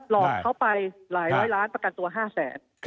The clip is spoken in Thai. หลอกเขาไปหลายร้อยล้านประกันตัว๕แสน